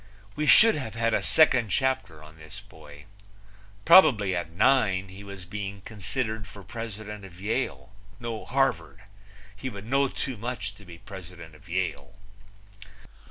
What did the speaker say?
We should have had a second chapter on this boy. Probably at nine he was being considered for president of Yale no, Harvard. He would know too much to be president of Yale.